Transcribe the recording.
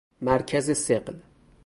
مرکز ثقل